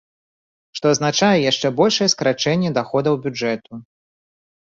Што азначае яшчэ большае скарачэнне даходаў бюджэту.